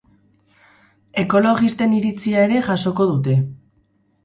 Ekologisten iritzia ere jasoko dute.